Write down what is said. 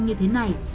như thế này